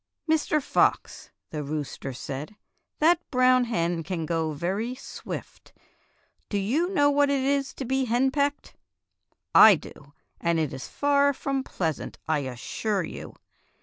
"Mr. Fox," the rooster said, "that brown hen can go very swift. Do you know what it is to be henpecked.^ I do, and it is far from pleasant, I assure you.